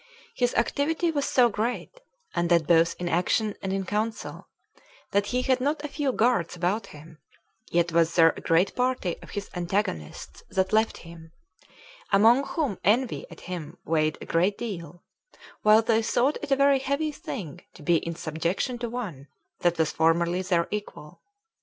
His activity was so great, and that both in action and in counsel, that he had not a few guards about him; yet was there a great party of his antagonists that left him; among whom envy at him weighed a great deal, while they thought it a very heavy thing to be in subjection to one that was formerly their equal.